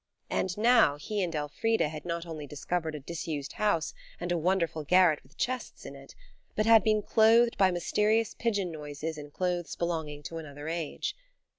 And now he and Elfrida had not only discovered a disused house and a wonderful garret with chests in it, but had been clothed by mysterious pigeon noises in clothes belonging to another age.